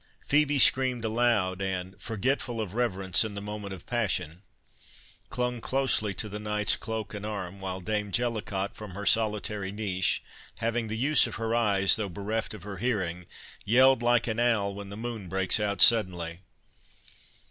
Phœbe screamed aloud, and, forgetful of reverence in the moment of passion, clung close to the knight's cloak and arm, while Dame Jellicot, from her solitary niche, having the use of her eyes, though bereft of her hearing, yelled like an owl when the moon breaks out suddenly.